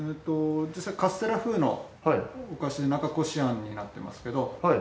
カステラ風のお菓子中こし餡になってますけど。